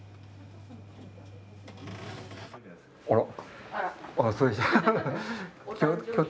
あら。